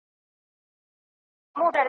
چي آشنا مي دی د پلار او د نیکونو .